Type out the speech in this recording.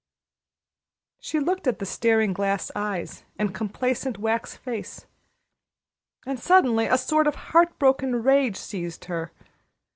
She looked at the staring glass eyes and complacent wax face, and suddenly a sort of heartbroken rage seized her.